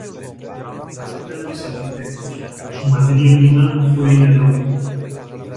Fueron grandes arquitectos; su materia prima fue el adobe.